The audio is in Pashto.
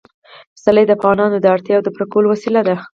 پسرلی د افغانانو د اړتیاوو د پوره کولو وسیله ده.